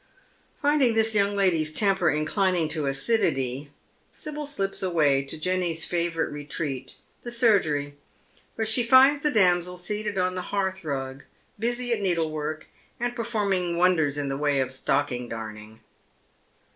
Finding this young lady's temper inclining to acidity Sibyl slips away to Jenny's favourite retreat — the surgery, where she finds the damsel seated on the hearth rug busy at needlework, and performing wonders in the way of stocking darning.